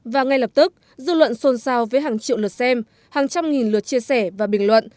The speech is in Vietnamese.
và ngay lập tức dư luận xôn xao với hàng triệu lượt xem hàng trăm nghìn lượt chia sẻ và bình luận